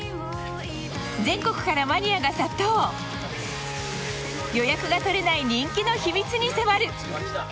全国からマニアが殺到予約が取れない人気の秘密に迫る